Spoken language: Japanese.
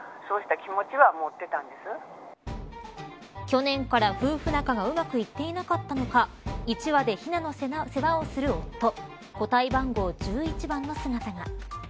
去年から夫婦仲がうまくいっていなかったのか１羽でひなの世話をする夫個体番号１１番の姿が。